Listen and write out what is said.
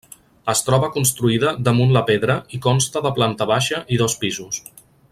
Es troba construïda damunt la pedra i consta de planta baixa i dos pisos.